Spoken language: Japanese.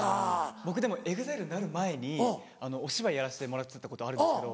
僕でもＥＸＩＬＥになる前にお芝居やらせてもらってたことあるんですけど。